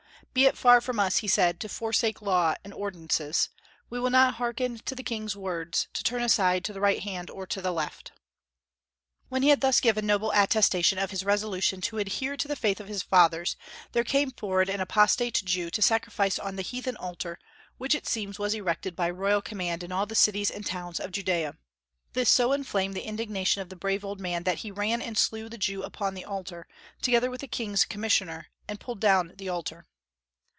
"Be it far from us," he said, "to forsake law and ordinances. We will not hearken to the king's words, to turn aside to the right hand or to the left." When he had thus given noble attestation of his resolution to adhere to the faith of his fathers, there came forward an apostate Jew to sacrifice on the heathen altar, which it seems was erected by royal command in all the cities and towns of Judaea. This so inflamed the indignation of the brave old man that he ran and slew the Jew upon the altar, together with the king's commissioner, and pulled down the altar.